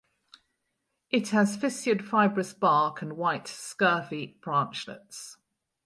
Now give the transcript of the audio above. It has fissured fibrous bark and white scurfy branchlets.